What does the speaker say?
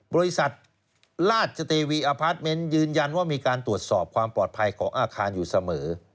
บริษัทราชเทวีอพาร์ทเมนต์ยืนยันว่ามีการตรวจสอบความปลอดภัยของอาคารอยู่เสมอ